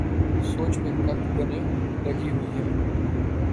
سوچ پہ قدغنیں لگی ہوئی ہیں۔